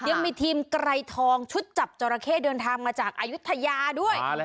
ยังมีทีมไกรทองชุดจับจราเข้เดินทางมาจากอายุทยาด้วย